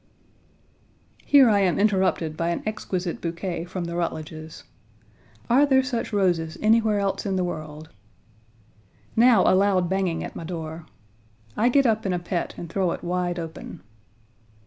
Here I am interrupted by an exquisite bouquet from the Rutledges. Are there such roses anywhere else in the world? Now a loud banging at my door. I get up in a pet and throw it wide open.